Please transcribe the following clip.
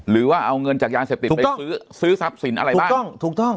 หรือว่าเอาเงินจากยาเสพติดไปซื้อซื้อทรัพย์สินอะไรบ้างถูกต้อง